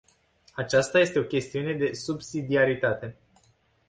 Aceasta este o chestiune de subsidiaritate.